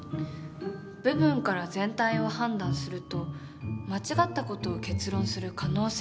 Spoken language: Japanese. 部分から全体を判断すると間違った事を結論する可能性がある。